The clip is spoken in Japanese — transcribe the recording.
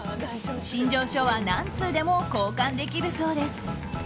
身上書は何通でも交換できるそうです。